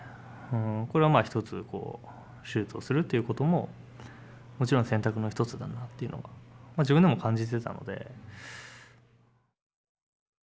これはまあひとつ手術をするっていうことももちろん選択の一つだなっていうのが自分でも感じてたので。